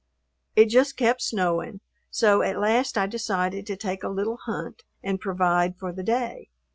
It just kept snowing, so at last I decided to take a little hunt and provide for the day.